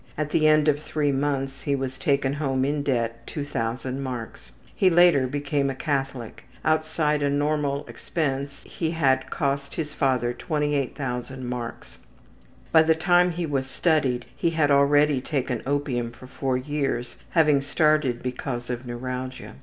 At the end of three months he was taken home in debt 2000 marks. He later became a Catholic. Outside of normal expense he had cost his father 28,000 marks. By the time he was studied he had already taken opium for four years, having started because of neuralgia.